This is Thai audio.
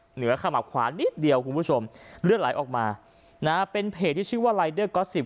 เหนือขมับขวานิดเดียวคุณผู้ชมเลื่อนไลน์ออกมานะเป็นเพจที่ชื่อว่าไลเดอร์ก็อสซิป